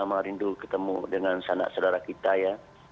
sama rindu ketemu dengan sanak saudara kita ya